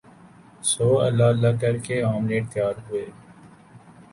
سو اللہ اللہ کر کے آملیٹ تیار ہوئے